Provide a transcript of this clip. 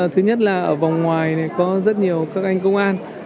thứ nhất là ở vòng ngoài này có rất nhiều các anh công an